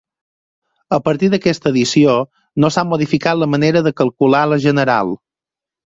A partir d'aquesta edició no s'ha modificat la manera de calcular la general.